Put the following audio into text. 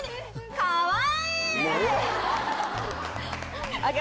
かわいい！